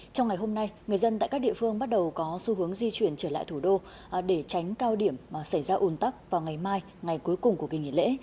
trong ngày hôm nay người dân tại các địa phương bắt đầu có xu hướng di chuyển trở lại thủ đô để tránh cao điểm xảy ra ồn tắc vào ngày mai ngày cuối cùng của kỳ nghỉ lễ